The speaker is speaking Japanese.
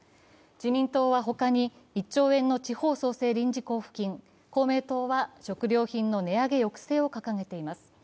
自民党はほかに、１兆円の地方創生臨時交付金、公明党は、食料品の値上げ抑制を掲げています。